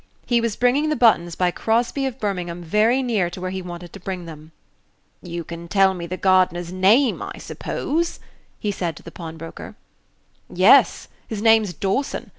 He was bringing the buttons by Crosby of Birmingham very near to where he wanted to bring them. "You can tell me the gardener's name, I suppose?" he said to the pawnbroker. "Yes; his name's Dawson.